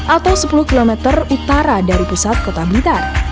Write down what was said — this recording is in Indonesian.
atau sepuluh km utara dari pusat kota blitar